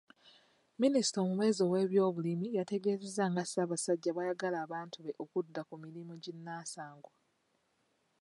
Minisita omubeezi ow’ebyobulimi yategeezezza nga Ssaabasajja bw'ayagala abantu be okudda ku mirimu ginnansangwa.